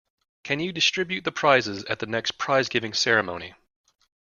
Can you distribute the prizes at the next prize-giving ceremony?